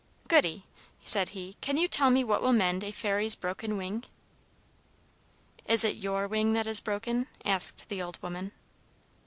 "'Goody,' said he, 'can you tell me what will mend a Fairy's broken wing?' "'Is it your wing that is broken?' asked the old woman.